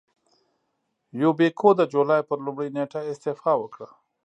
یوبیکو د جولای پر لومړۍ نېټه استعفا وکړه.